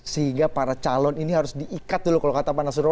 sehingga para calon ini harus diikat dulu kalau kata pak nasrul